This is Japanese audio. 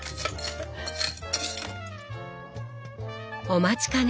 お待ちかね！